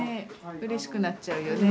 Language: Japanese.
うれしくなっちゃうよね。